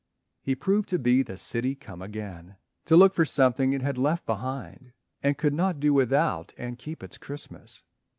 He proved to be the city come again To look for something it had left behind And could not do without and keep its Christmas.